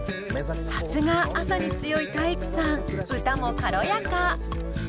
さすが朝に強い体育さん歌も軽やか。